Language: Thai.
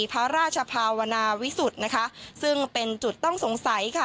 พระราชภาวนาวิสุทธิ์นะคะซึ่งเป็นจุดต้องสงสัยค่ะ